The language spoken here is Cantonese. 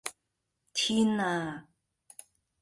天呀